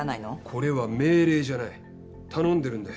これは命令じゃない頼んでるんだよ。